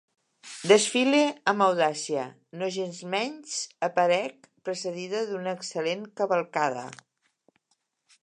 Desfile amb audàcia, nogensmenys aparec precedida d’una excel·lent cavalcada.